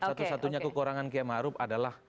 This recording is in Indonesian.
satu satunya kekurangan kiai maruf adalah